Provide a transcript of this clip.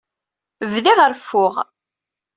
Bdiɣ reffuɣ.